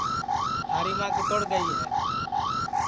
تھاری ماں کیتوڑ گئی ہے